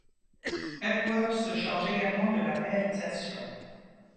Epworth se charge également de la réalisation.